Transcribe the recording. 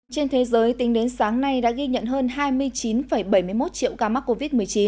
trên thế giới tính đến sáng nay đã ghi nhận hơn hai mươi chín bảy mươi một triệu ca mắc covid một mươi chín